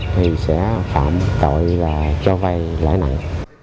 thì sẽ phạm tội là cho vai lãi nặng